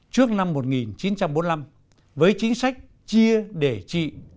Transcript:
trước năm một nghìn chín trăm bốn mươi năm với chính sách chia để trị